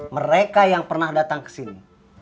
mereka yang pernah datang kesini